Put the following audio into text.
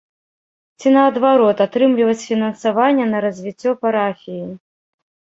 Ці наадварот, атрымліваць фінансаванне на развіццё парафіі.